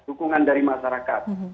dukungan dari masyarakat